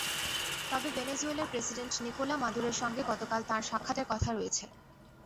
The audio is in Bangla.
তবে ভেনেজুয়েলার প্রেসিডেন্ট নিকোলা মাদুরোর সঙ্গে গতকাল তাঁর সাক্ষাতের কথা রয়েছে।